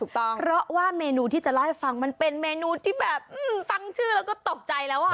เพราะว่าเมนูที่จะเล่าให้ฟังมันเป็นเมนูที่แบบฟังชื่อแล้วก็ตกใจแล้วอ่ะ